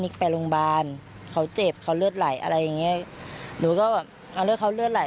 นิกไปโรงบาลเขาเจ็บเขาเลือดไหลอะไรอย่างนี้หนูก็เลือดไหล